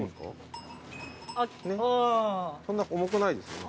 そんな重くないですよね？